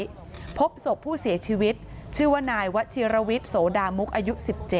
ที่พบศพผู้เสียชีวิตชื่อว่านายวชิรวิทย์โสดามุกอายุ๑๗